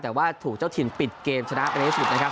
แต่ว่าถูกเจ้าทีมปิดเกมชนะไป๒๐นะครับ